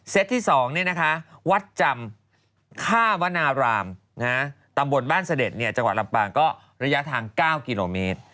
ที่๒วัดจำค่าวนารามตำบลบ้านเสด็จจังหวัดลำปางก็ระยะทาง๙กิโลเมตร